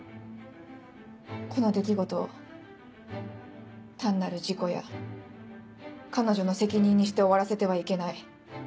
この出来事を単なる事故や彼女の責任にして終わらせてはいけない。